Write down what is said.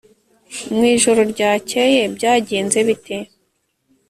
mu ijoro ryakeye byagenze bite